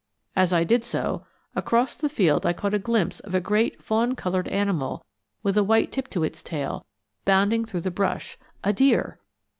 As I did so, across the field I caught a glimpse of a great fawn colored animal with a white tip to its tail, bounding through the brush a deer!